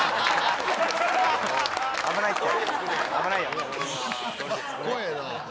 危ないよ。